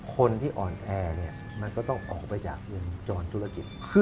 คนที่อ่อนแอมันก็ต้องออกไปจากจอนธุรกิจ